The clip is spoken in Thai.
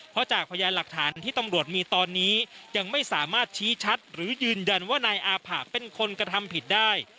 เพราะจากพยานหลักฐานที่ตำรวจมีตอนนี้ยังไม่สามารถชี้ชัดหรือยืนยันว่านายอาผะเป็นคนกระทำผิดได้